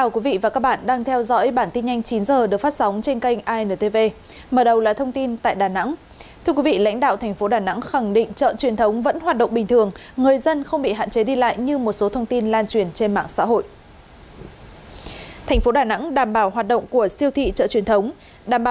các bạn hãy đăng ký kênh để ủng hộ kênh của chúng mình nhé